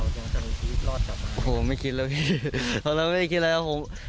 เรายังจะมีชีวิตรอดกลับมาโอ้โหไม่คิดเลยพี่ตอนนั้นไม่ได้คิดเลย